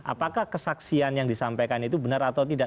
apakah kesaksian yang disampaikan itu benar atau tidak